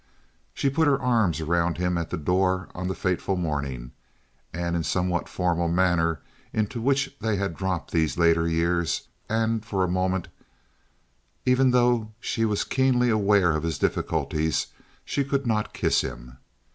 She put her arms around him at the door on the fateful morning, in the somewhat formal manner into which they had dropped these later years, and for a moment, even though she was keenly aware of his difficulties, she could not kiss him.